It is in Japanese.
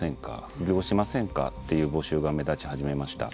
「副業しませんか？」っていう募集が目立ち始めました。